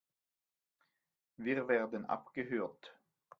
Wir werden abgehört.